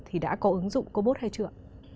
thì đã có ứng dụng cô bốt hay chưa